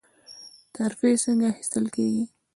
ترفیع څنګه اخیستل کیږي؟